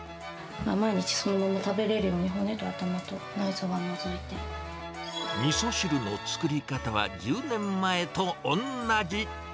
毎日、そのまま食べれるようみそ汁の作り方は、１０年前とおんなじ。